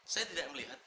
saya tidak melihat